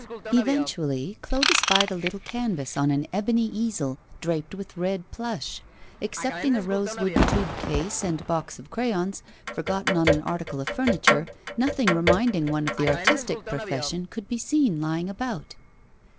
Eventually, Claude espied a little canvas on an ebony easel, draped with red plush. Excepting a rosewood tube case and box of crayons, forgotten on an article of furniture, nothing reminding one of the artistic profession could be seen lying about.